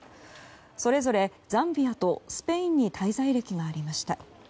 それぞれザンビアとスペインに滞在歴がありました。